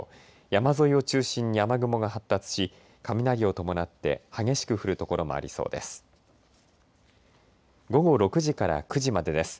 山沿いを中心に雨雲が発達し雷を伴って激しく降る所もありそうです。